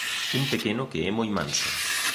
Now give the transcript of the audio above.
un pequeno que é moi manso.